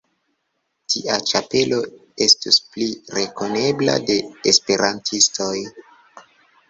Tia ĉapelo estus pli rekonebla de Esperantistoj.